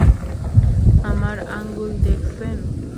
আমার আংগুল দেখছেন?